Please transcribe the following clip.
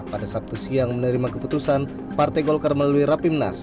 pada sabtu siang menerima keputusan partai golkar melalui rapimnas